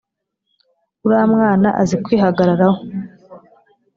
uramwana azi kwihagararaho